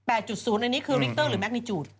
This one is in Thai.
อันนี้คือริกเตอร์หรือแมคนิจูด